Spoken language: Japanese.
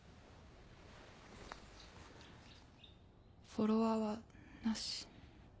フォロワーはなし。